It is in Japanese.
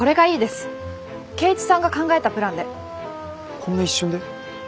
こんな一瞬で？